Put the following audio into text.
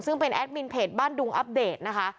ซึ่งเป็นแอดมินเพจบ้านดุงอัปเดตนะคะ